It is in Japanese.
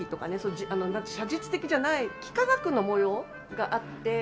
写実的じゃない幾何学の模様があって。